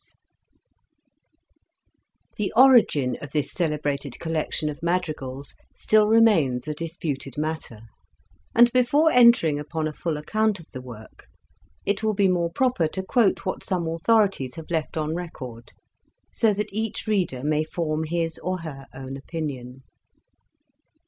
1 HE origin of this celebrated collection of madrigals still remains a disputed matter, and before entering upon a full account of the work, it will be more proper to quote what some authorities have left on record, so that each reader may form his or her own opinion.